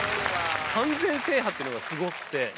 完全制覇っていうのがすごくて。